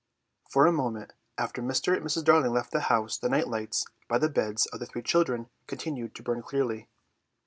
For a moment after Mr. and Mrs. Darling left the house the night lights by the beds of the three children continued to burn clearly.